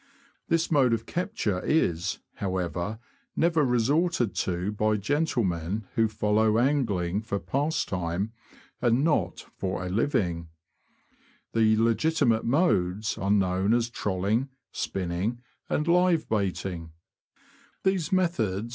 This mode of capture is, however, never resorted to by gentlemen who follow angling for pastime, and not for a living. The legitimate modes are known as trolling, spinning, and live baiting. These methods U 2 292 THE LAND OF THE BROADS.